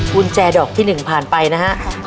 กุญแจดอกที่๑ผ่านไปนะฮะ